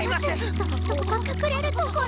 どどこか隠れる所。